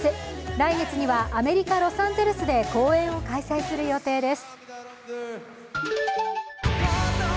来月にはアメリカ・ロサンゼルスで公演を開催する予定です。